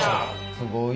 すごい。